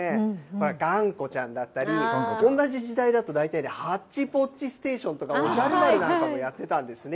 がんこちゃんだったり、同じ時代だと、大体、ハッチポッチステーションとか、おじゃる丸なんかもやってたんですね。